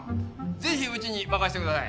ぜひうちに任せて下さい！